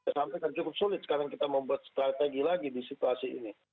saya sampaikan cukup sulit sekarang kita membuat strategi lagi di situasi ini